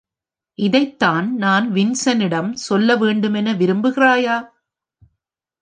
இதைத் தான் நான் வின்சென்ட்டிடம் சொல்ல வேண்டும் என விரும்புகிறாயா?